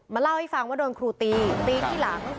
เล่าให้ฟังว่าโดนครูตีตีที่หลัง